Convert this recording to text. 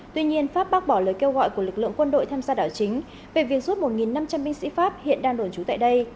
tuy nhiên pháp bác bỏ lời kêu gọi của lực lượng quân đội tham gia đảo chính về việc rút một năm trăm linh binh sĩ pháp hiện đang đồn trú tại đây